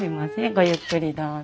ごゆっくりどうぞ。